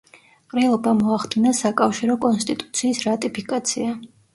ყრილობამ მოახდინა საკავშირო კონსტიტუციის რატიფიკაცია.